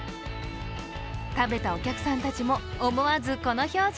食べたお客さんたちも思わずこの表情。